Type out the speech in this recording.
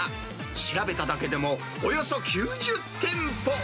調べただけでも、およそ９０店舗。